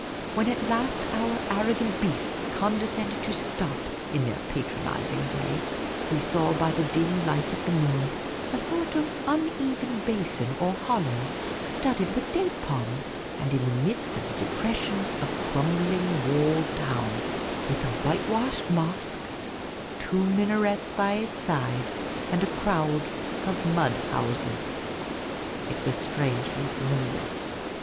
When at last our arrogant beasts condescended to stop, in their patronising way, we saw by the dim light of the moon a sort of uneven basin or hollow, studded with date palms, and in the midst of the depression a crumbling walled town, with a whitewashed mosque, two minarets by its side, and a crowd of mud houses. It was strangely familiar.